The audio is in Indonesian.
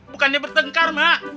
bukannya bertengkar mak